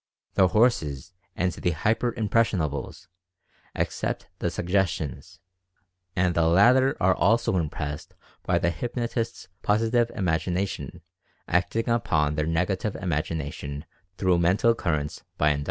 The "horses" and the "hyper impressionables" accept the suggestions, and the latter are also impressed by the hypnotist's Positive Imagination acting upon their Negative Imagination through Mental Currents by Induction.